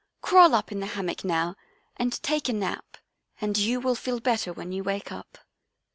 Crawl up in the hammock now and take a nap, and you will feel better when you wake up."